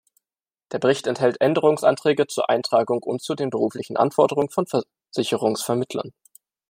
Der Bericht enthält Änderungsanträge zur Eintragung und zu den beruflichen Anforderungen von Versicherungsvermittlern.